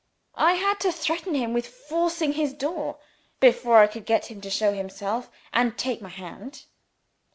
I had to threaten him with forcing his door, before I could get him to show himself, and take my hand.